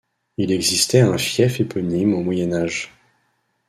Il existait un fief éponyme au moyen-âge.